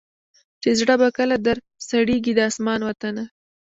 چي زړه به کله در سړیږی د اسمان وطنه